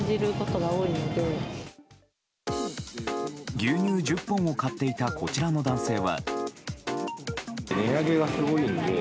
牛乳１０本を買っていたこちらの男性は。